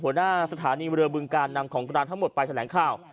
หัวหน้าสถานีเรือบึงการนำของกลางทั้งหมดไปแถลงข่าว